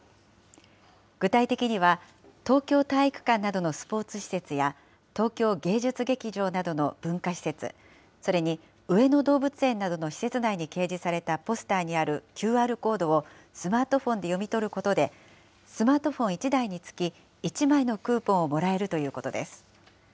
具体的には、東京体育館などのスポーツ施設や、東京芸術劇場などの文化施設、それに上野動物園などの施設内に掲示されたポスターにあるＱＲコードを、スマートフォンで読み取ることで、スマートフォン１台につき１枚のクーポンをもらえるということです。